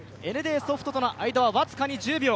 ＮＤソフトとの間は僅かに１０秒。